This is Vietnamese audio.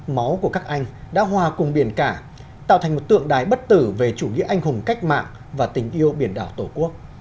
máu của các anh đã hòa cùng biển cả tạo thành một tượng đài bất tử về chủ nghĩa anh hùng cách mạng và tình yêu biển đảo tổ quốc